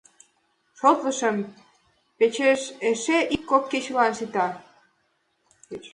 Шотлымыж почеш эше ик-кок кечылан сита.